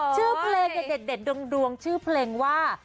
ชื่อเพลงเนี่ยเด็ดดวงชื่อเพลงว่า